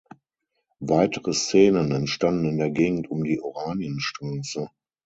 Weitere Szenen entstanden in der Gegend um die Oranienstraße.